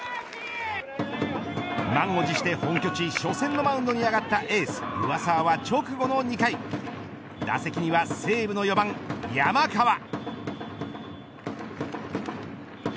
満を持して本拠地初戦のマウンドに上がったエース上沢は直後の２回打席には西武の４番山川。